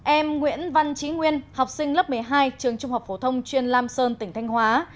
em nguyễn văn trí nguyên học sinh lớp một mươi hai trường trung học phổ thông chuyên lam sơn tỉnh thanh hóa